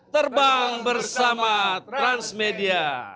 terbang bersama transmedia